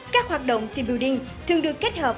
các hoạt động team building thường được kết hợp